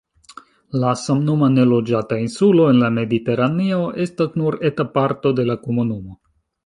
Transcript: La samnoma, neloĝata insulo en la Mediteraneo estas nur eta parto de la komunumo.